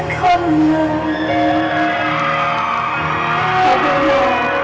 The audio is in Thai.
ขอบคุณทุกเรื่องราว